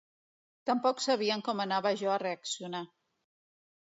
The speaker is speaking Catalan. Tampoc sabien com anava jo a reaccionar.